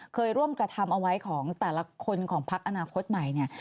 เคยร่วมกระทำเอาไว้ของแต่ละคนของพักอนาคตใหม่เนี่ย